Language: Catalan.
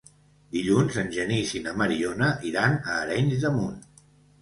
Dilluns en Genís i na Mariona iran a Arenys de Munt.